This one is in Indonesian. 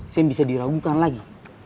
seng bisa diragukan lagi